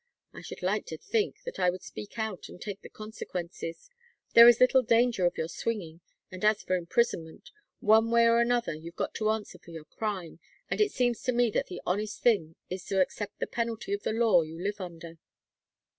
I should like to think that I would speak out and take the consequences. There is little danger of your swinging, and as for imprisonment one way or another you've got to answer for your crime, and it seems to me that the honest thing is to accept the penalty of the law you live under."